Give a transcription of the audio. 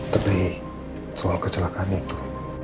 tapi soal kecelakaan itu